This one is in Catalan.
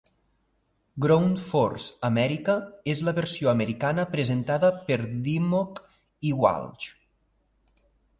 Ground Force America és la versió americana, presentada per Dimmock i Walsh.